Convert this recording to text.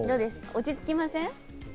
落ち着きません？